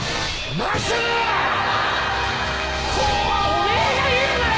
お前が言うなよ！